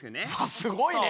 すごいね。